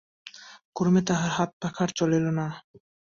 ক্রমে তাহার হাতপাখা আর চলিল না।